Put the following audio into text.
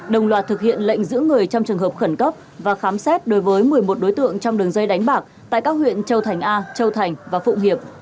đồng loạt thực hiện lệnh giữ người trong trường hợp khẩn cấp và khám xét đối với một mươi một đối tượng trong đường dây đánh bạc tại các huyện châu thành a châu thành và phụng hiệp